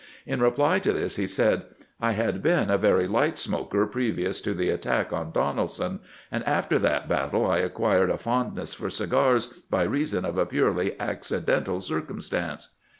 In reply to this he said :" I had been a very light smoker previous to the attack on Donelson, and after that battle I acquired a fondness for cigars by reason of a purely accidental circumstance.